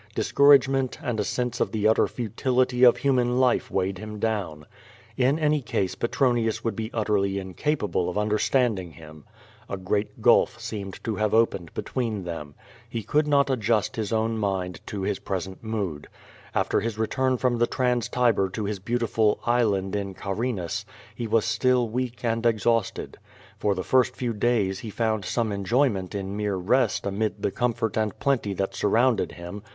Discouragement and a sense of the utter futility of human life weighed him down. In any case Petronius would be utterly inca])able of under standing him. A great gulf seemed to have opened l)etwecn them. He could not adjust his own mind to his present QUO VADIS. 221 mood. After his return from the Trans Tiber to his beauti ful "island" in Carinus, he was still weak and exhausted. For the fii*st few days he found some enjoyment in mere rest amid the comfort and plenty that surrounded him.